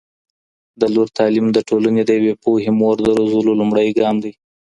د لور تعلیم د ټولنې د یوې پوهې مور د روزلو لومړی ګام دی